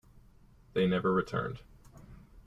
They never returned.